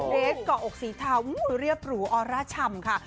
เดสเกาะอกสีเทาเรียบหรูออร่าชำค่ะ